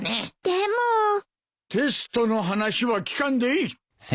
テストの話は聞かんでいい。